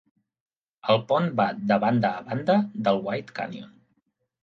El pont va de banda a banda del White Canyon.